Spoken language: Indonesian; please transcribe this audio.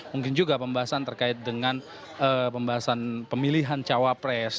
mungkin juga pembahasan terkait dengan pembahasan pemilihan cawapres